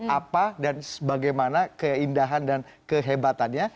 apa dan bagaimana keindahan dan kehebatannya